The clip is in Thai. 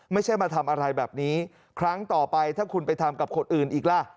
ไม่ใช่มาทำอะไรแบบนี้ครั้งต่อไปถ้าคุณไปทำกับคนอื่นอีกล่ะ